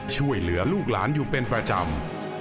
ช่วยเหลือลูกหลานอยู่เป็นประจำ